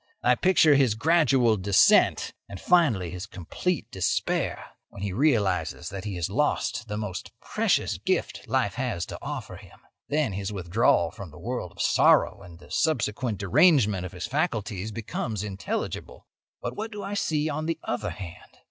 I picture his gradual descent, and, finally, his complete despair when he realises that he has lost the most precious gift life had to offer him. Then his withdrawal from the world of sorrow and the subsequent derangement of his faculties becomes intelligible. "But what do I see on the other hand?